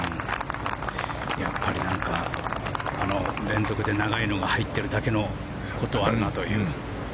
やっぱりあの連続で長いのが入っているだけのことはあるなという。